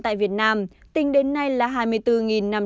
tại việt nam tính đến nay là